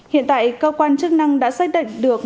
hiện tại cơ quan chức năng đã xác định được